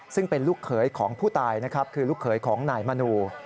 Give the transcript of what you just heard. ซึ่งเป็นลูกเขยของผู้ตายนะครับคือลูกเขยของนายมนู